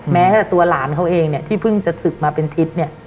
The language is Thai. แม้แต่ตัวหลานเขาเองเนี่ยที่เพิ่งจะศึกมาเป็นทิศเนี่ย